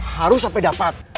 harus sampe dapet